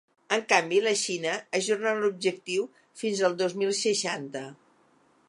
En canvi, la Xina ajorna l’objectiu fins el dos mil seixanta.